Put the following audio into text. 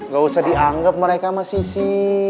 gak usah dianggap mereka mah sisi